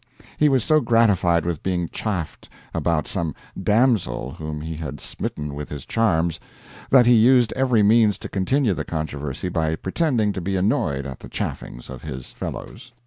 He was so gratified with being chaffed about some damsel whom he had smitten with his charms that he used every means to continue the controversy by pretending to be annoyed at the chaffings of his fellows.